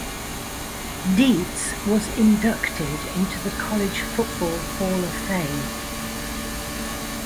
Dietz was inducted into the College Football Hall of Fame.